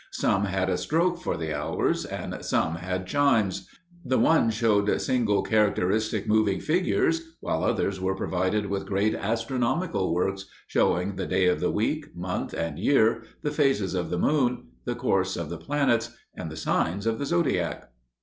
Some had a stroke for the hours, and some had chimes; the one showed single characteristic moving figures, while others were provided with great astronomical works, showing the day of the week, month, and year, the phases of the moon, the course of the planets, and the signs of the zodiac.